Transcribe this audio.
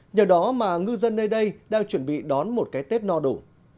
nhờ đó mà ngư dân nơi đây đang chuẩn bị đón một cái tết no đủ